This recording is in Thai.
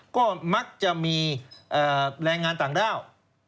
ก็มักจะมีแรงงานต่างด้าว